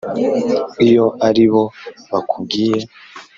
iyo ali bo bakubwiye